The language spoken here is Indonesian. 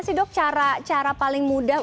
sih dok cara paling mudah